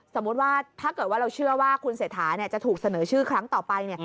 สมมุติว่าถ้าเกิดว่าเราเชื่อว่าคุณเศรษฐาจะถูกเสนอชื่อครั้งต่อไป